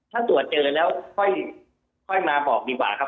ถ้าตรวจเจอแล้วค่อยมาบอกดีกว่าครับ